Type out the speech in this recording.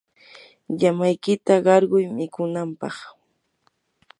llamaykita qarquy mikunanpaq.